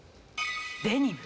デニム。